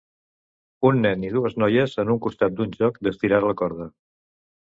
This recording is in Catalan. Un nen i dues noies en un costat d'un joc d'estirar la corda.